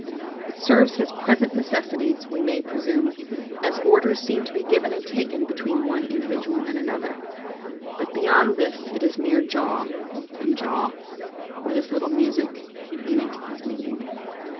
It serves his present necessities, we may presume, as orders seem to be given and taken between one individual and another; but beyond this it is mere jaw, and jaw, with as little music in it as meaning.